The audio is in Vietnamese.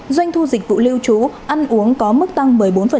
doanh thu dịch vụ lưu trú ăn uống có mức tăng một mươi bốn